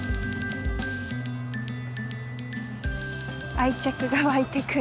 愛着がわいてくる。